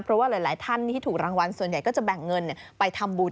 เพราะว่าหลายท่านที่ถูกรางวัลส่วนใหญ่ก็จะแบ่งเงินไปทำบุญ